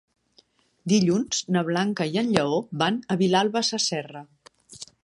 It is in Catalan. Dilluns na Blanca i en Lleó van a Vilalba Sasserra.